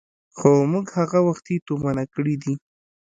خو موږ هغه وختي تومنه کړي دي.